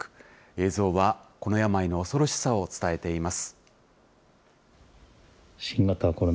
映像は、この病の恐ろしさを伝えています。